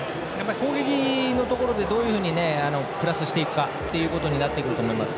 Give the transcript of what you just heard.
攻撃のところでどういうふうにプラスしていくかということになっていくと思います。